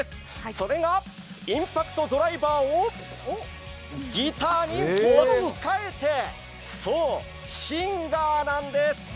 それが、インパクトドライバーをギターに持ち替えてそう、シンガーなんです。